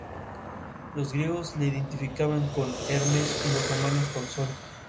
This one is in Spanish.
Los griegos le identificaban con Hermes y los romanos con Sol.